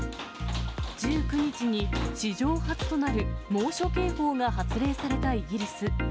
１９日に、史上初となる猛暑警報が発令されたイギリス。